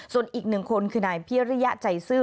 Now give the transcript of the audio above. ส่วนอีกหนึ่งคนคือนายพิริยะใจซื่อ